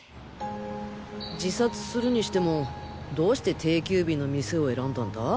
自殺するにしてもどうして定休日の店を選んだんだ？